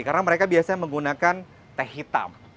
karena mereka biasanya menggunakan teh hitam